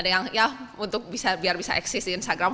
ya biar bisa eksis di instagram